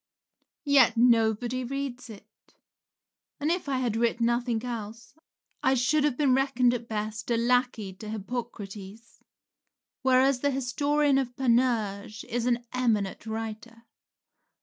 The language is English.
Yet nobody reads it; and if I had writ nothing else, I should have been reckoned, at best, a lackey to Hippocrates, whereas the historian of Panurge is an eminent writer.